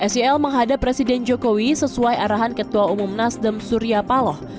sel menghadap presiden jokowi sesuai arahan ketua umum nasdem surya paloh